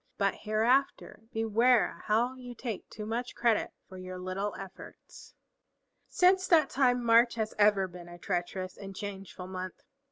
But hereafter beware how you take too much credit for your little efforts." Since that time March has ever been a treacherous and a changeful month.